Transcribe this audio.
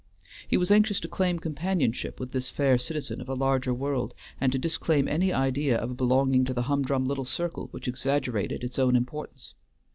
He was anxious to claim companionship with this fair citizen of a larger world, and to disclaim any idea of belonging to the humdrum little circle which exaggerated its own importance.